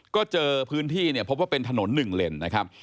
ก็เจอพื้นที่เนี่ยพบว่าเป็นถนน๑เลนนะครับ